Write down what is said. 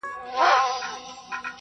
چي مي دري نیوي کلونه کشوله؛